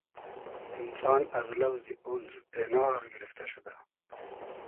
اینسان از لۆزی (اونس) اېناغ گیرفتۂ شودۂ